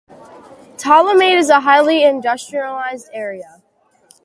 Ptolemaida is a highly industrialized area.